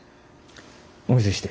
お見せして。